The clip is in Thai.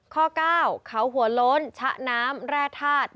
ข้อ๙เขาหัวโล้นชะน้ำแร่ธาตุ